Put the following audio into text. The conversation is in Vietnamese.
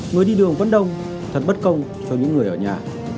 người đi đường vẫn đông thật bất công cho những người ở nhà